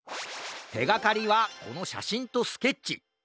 てがかりはこのしゃしんとスケッチ。